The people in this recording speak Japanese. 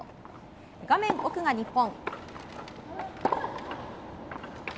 画面奥が日本。